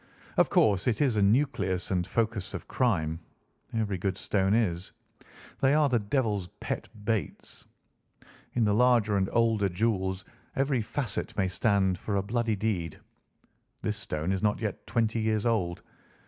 Of course it is a nucleus and focus of crime. Every good stone is. They are the devil's pet baits. In the larger and older jewels every facet may stand for a bloody deed. This stone is not yet twenty years old.